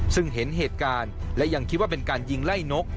ซึ่งเห็นเหตุการณ์และยังคิดว่าเป็นการยิงไล่นก